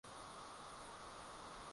Na uzima wa milele ndio huu